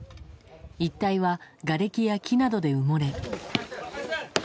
一帯はがれきや木などで埋もれ。